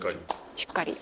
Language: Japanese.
しっかり。